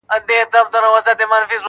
• رنګېنې بڼي یې لمر ته ځلېدلې -